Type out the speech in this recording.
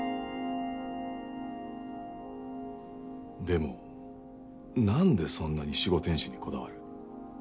でも何でそんなに守護天使にこだわる？